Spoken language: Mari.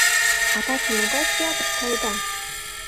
А таче могай театрыш каеда?